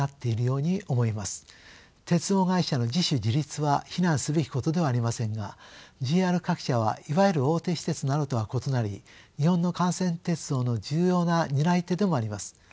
鉄道会社の自主自立は非難すべきことではありませんがＪＲ各社はいわゆる大手私鉄などとは異なり日本の幹線鉄道の重要な担い手でもあります。